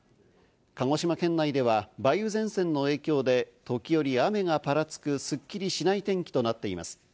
鹿児島県内では梅雨前線の影響で時折、雨がぱらつく、すっきりしない天気となっています。